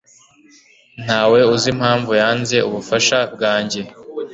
Ntawe uzi impamvu yanze ubufasha bwanjye